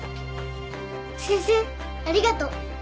先生ありがとう。